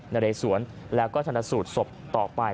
ณเรศวรแล้วก็ถนสูตรสบต่อไป